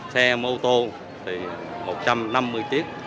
xe ô tô thì một trăm năm mươi chiếc